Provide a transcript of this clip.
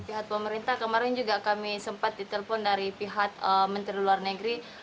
pihak pemerintah kemarin juga kami sempat ditelepon dari pihak menteri luar negeri